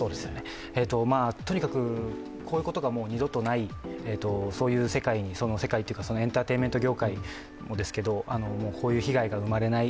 とにかくこういうことがもう二度とない世界というか、エンターテインメント業界もですけど、こういう被害が生まれない